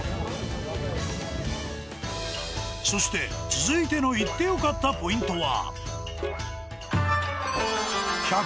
そして続いての行って良かったポイントは。